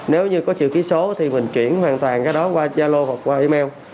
nếu như có chữ ký số thì mình chuyển hoàn toàn qua gia lô hoặc qua email